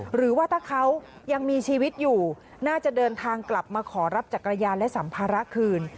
หรือว่าถ้าเขายังมีชีวิตอยู่น่าจะเดินทางกลับมาขอรับจักรยานและสัมภาระคืน